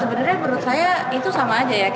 sebenarnya menurut saya itu sama aja ya